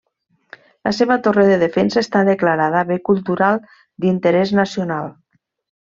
La seva torre de defensa està declarada bé cultural d'interès nacional.